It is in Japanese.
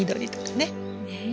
ねえ。